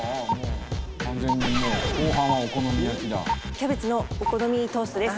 キャベツのお好みトーストです。